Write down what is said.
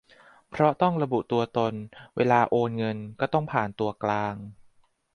เพราะต้องระบุตัวตน เวลาโอนเงินก็ต้องผ่านตัวกลาง